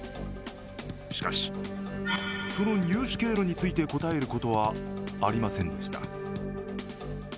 しかし、その入手経路について答えることはありませんでした。